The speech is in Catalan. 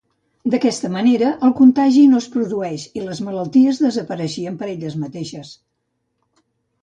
D'aquesta manera el contagi no es produeix i les malalties desapareixien per elles mateixes.